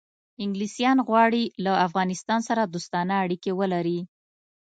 انګلیسان غواړي له افغانستان سره دوستانه اړیکې ولري.